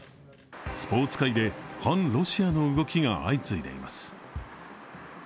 スポーツ界で反ロシアの動きが相次いでいます。